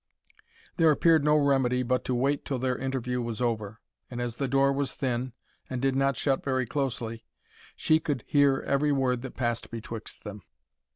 There appeared no remedy but to wait till their interview was over; and, as the door was thin, and did not shut very closely, she could hear every word that passed betwixt them.